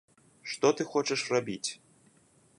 Што ты хочаш рабіць?